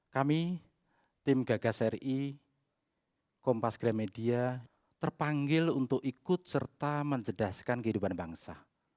kami tim gagas ri kompas gramedia terpanggil untuk ikut serta mencerdaskan kehidupan bangsa